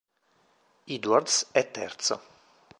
Edwards è terzo.